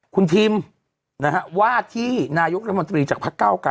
คุณทิมนะฮะว่าที่นายกรัฐมนตรีจากพักเก้าไกร